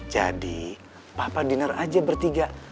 jadi papa diner aja bertiga